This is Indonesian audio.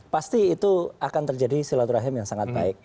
pasti itu akan terjadi silaturahim yang sangat baik